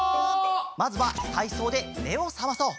まずはたいそうでめをさまそう。